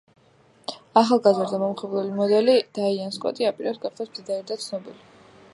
ახალგაზრდა, მომხიბვლელი მოდელი დაიან სკოტი აპირებს გახდეს მდიდარი და ცნობილი.